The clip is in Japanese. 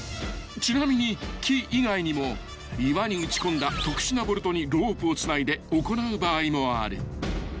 ［ちなみに木以外にも岩に打ち込んだ特殊なボルトにロープをつないで行う場合もある］